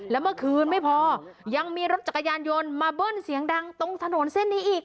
แล้วเมื่อคืนไม่พอยังมีรถจักรยานยนต์มาเบิ้ลเสียงดังตรงถนนเส้นนี้อีก